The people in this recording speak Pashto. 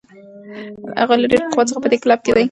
هغوی له ډېر پخوا څخه په دې کلب کې دي.